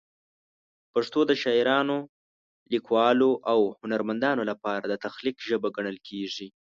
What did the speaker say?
پښتو د شاعرانو، لیکوالو او هنرمندانو لپاره د تخلیق ژبه ګڼل کېږي.